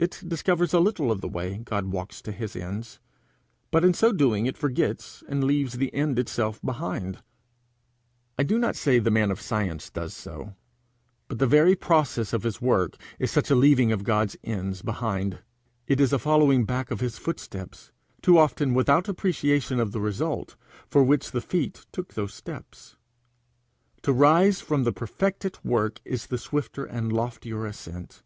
It discovers a little of the way God walks to his ends, but in so doing it forgets and leaves the end itself behind. I do not say the man of science does so, but the very process of his work is such a leaving of God's ends behind. It is a following back of his footsteps, too often without appreciation of the result for which the feet took those steps. To rise from the perfected work is the swifter and loftier ascent.